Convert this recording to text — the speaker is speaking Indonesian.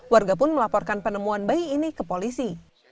warga pun melaporkan penemuan bayi ini ke polisi